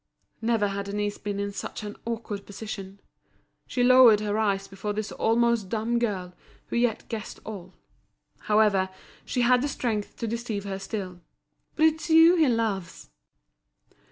Never had Denise been in such an awkward position. She lowered her eyes before this almost dumb girl, who yet guessed all. However, she had the strength to deceive her still. "But it's you he loves!"